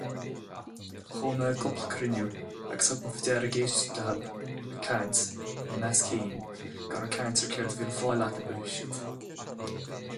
Chuaigh mé ag cúpla cruinniú agus thug mé faoi deara ag éisteacht leo ag caint ina measc féin gur ag caint ar céard a bhí le fáil acu a bhí siad.